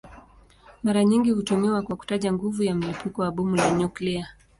Mara nyingi hutumiwa kwa kutaja nguvu ya mlipuko wa bomu la nyuklia.